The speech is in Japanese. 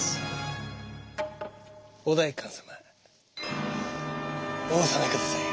お代官様お納めください。